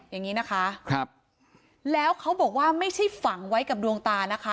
อย่างนี้นะคะครับแล้วเขาบอกว่าไม่ใช่ฝังไว้กับดวงตานะคะ